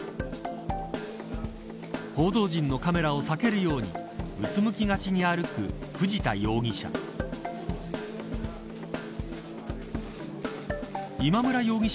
報道陣のカメラを避けるようにうつむきがちに歩く藤田容疑者。